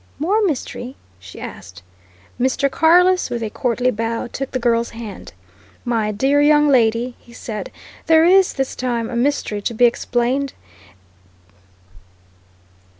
"More mystery?" she asked. Mr. Carless, with a courtly bow, took the girl's hand. "My dear young lady," he said, "there is, this time, a mystery to be explained.